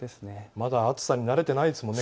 まだ暑さに慣れていないですもんね